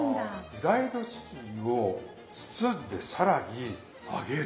フライドチキンを包んで更に揚げる。